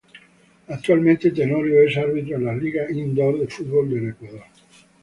Actualmente, Tenorio es árbitro en las Ligas Indoor de Fútbol de Ecuador.